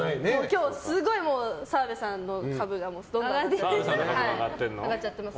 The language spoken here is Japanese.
今日すごい澤部さんの株がどんどん上がっちゃってます。